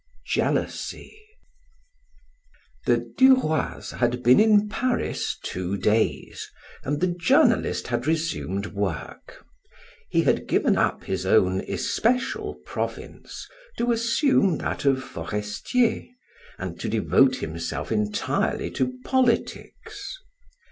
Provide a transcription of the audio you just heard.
JEALOUSY The Du Roys had been in Paris two days and the journalist had resumed work; he had given up his own especial province to assume that of Forestier, and to devote himself entirely to politics.